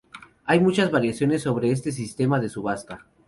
Hay muchas variaciones sobre este sistema de subasta.